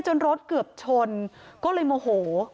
รถเกือบชนก็เลยโมโห